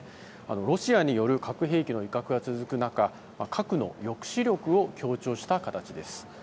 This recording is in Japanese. ロシアによる核兵器の威嚇が続く中核の抑止力を強調した形です。